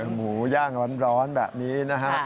หมูย่างร้อนแบบนี้นะฮะ